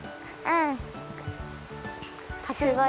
うん。